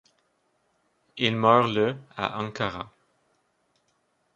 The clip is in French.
Il meurt le à Ankara.